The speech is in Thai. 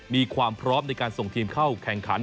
มีความพร้อมในการส่งทีมเข้าแข่งขัน